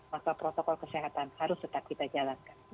maka protokol kesehatan harus tetap kita jalankan